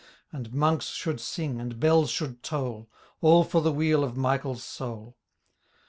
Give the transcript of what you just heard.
And Monks should sing, and bells should toll. All for the weal of MichaePs soul.